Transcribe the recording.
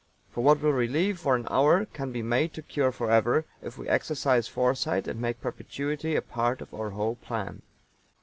For what will relieve for an hour can be made to cure forever, if we exercise foresight and make perpetuity a part of our whole plan.